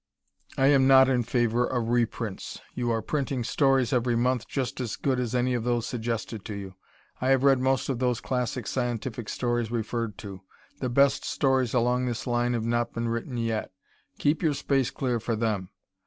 I am NOT in favor of reprints. You are printing stories every month just as good as any of those suggested to you. I have read most of those classic scientific stories referred to. The best stories along this line have not been written yet. Keep your space clear for them.